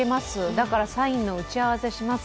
だからサインの打ち合わせします